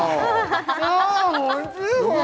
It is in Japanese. おいしいこれ！